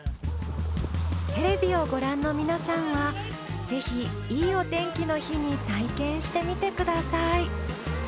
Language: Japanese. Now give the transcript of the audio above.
テレビをご覧の皆さんはぜひいいお天気の日に体験してみてください